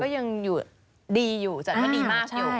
ยังอยู่ดีอยู่จัดก็ดีมากอยู่